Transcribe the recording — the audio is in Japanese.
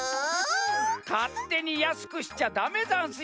かってにやすくしちゃダメざんすよ！